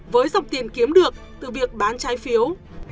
với dòng tiền kiếm được từ việc bán trái phiếu